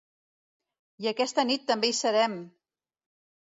I aquesta nit també hi serem !